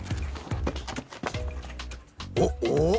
おっおお？